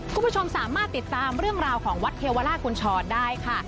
คุณผู้ชมสามารถติดตามเรื่องราวของวัดเทวาล่ากุญชรได้ค่ะ